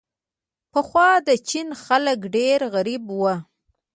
پخوا د چین خلک ډېر غریب وو.